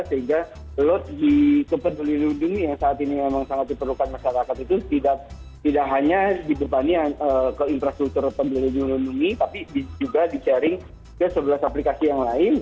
sehingga load di kepeduli lindungi yang saat ini memang sangat diperlukan masyarakat itu tidak hanya dibebani ke infrastruktur peduli lindungi tapi juga di sharing ke sebelas aplikasi yang lain